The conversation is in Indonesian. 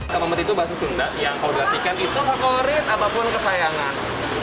kamamet itu bakso sunda yang kalau diartikan itu favorit apapun kesayangan